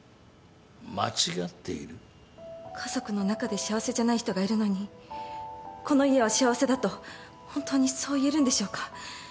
家族の中で幸せじゃない人がいるのにこの家は幸せだと本当にそう言えるんでしょうか。